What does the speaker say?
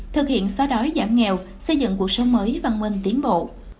thực hiện xóa đói giảm nghèo xây dựng cuộc sống mới văn minh tiến bộ